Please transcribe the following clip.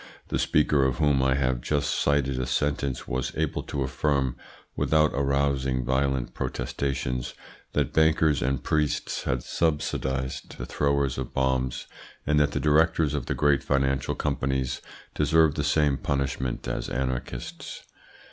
The speaker of whom I have just cited a sentence was able to affirm, without arousing violent protestations, that bankers and priests had subsidised the throwers of bombs, and that the directors of the great financial companies deserve the same punishment as anarchists.